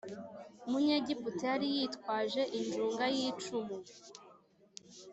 munyegiputa yari yitwaje injunga y icumu